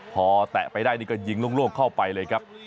พอแตะไปได้นี่ก็ยิงโล่งเข้าไปเลยครับ